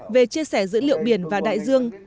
về chia sẻ dữ liệu biển và đại dương